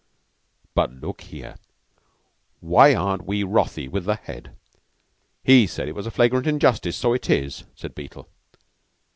"But look here, why aren't we wrathy with the Head? He said it was a flagrant injustice. So it is!" said Beetle.